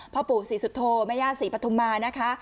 พ่อปู่ศรีสุโธแม่ย่าศรีปฐุมมานะคะ